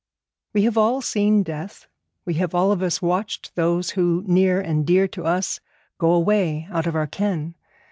We have all seen death. We have all of us watched those who, near and dear to us, go away out of our ken.